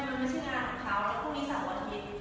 มันไม่ใช่งานของเขาแล้วพรุ่งนี้๓วันอาทิตย์